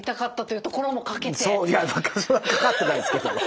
いやそれはかかってないですけど。